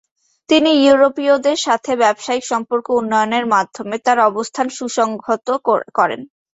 তিনি ইউরোপীয়দের সাথে ব্যবসায়িক সম্পর্ক উন্নয়নের মাধ্যমে তার অবস্থান সুসংহত করেন।